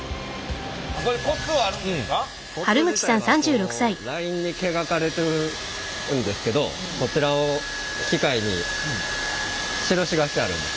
コツ自体はラインに描かれてるんですけどコチラを機械に印がしてあるんです。